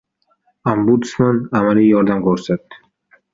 Ombudsman amaliy yordam ko‘rsatdi